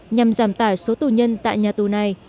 nhằm giảm tải số tù nhân tại nhà tù này